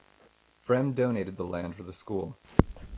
Fremd donated the land for the school.